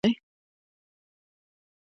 نوی کالی کول د اختر دود دی.